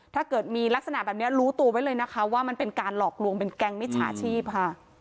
ถ้าเกิดมีลักษณะแบบนี้รู้ตัวไว้เลยนะคะว่ามันเป็นการหลอกลวงเป็นแก๊งมิจฉาชีพค่ะ